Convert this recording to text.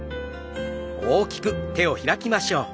大きく手を開きましょう。